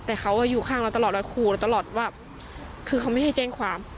แต่เขาอยู่ข้างเราตลอดเราขู่เราตลอดว่าคือเขาไม่ให้แจ้งความ